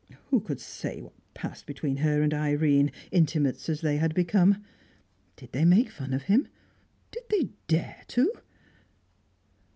Who could say what passed between her and Irene, intimates as they had become? Did they make fun of him? Did they dare to?